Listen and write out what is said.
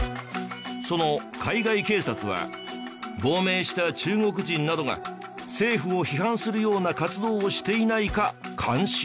その海外警察は亡命した中国人などが政府を批判するような活動をしていないか監視。